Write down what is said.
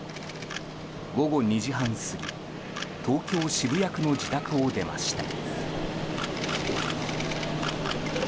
午後２時半過ぎ東京・渋谷区の自宅を出ました。